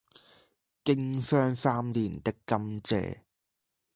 經霜三年的甘蔗，